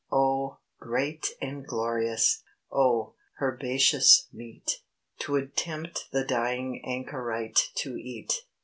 Oh, great and glorious! oh, herbaceous meat! 'Twould tempt the dying anchorite to eat.